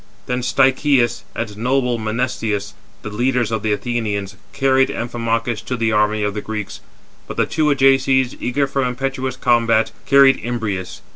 Then Stichius and noble Menestheus, the leaders of the Athenians, carried Amphimachus to the army of the Greeks, but the two Ajaces, eager for impetuous combat, [carried] Imbrius.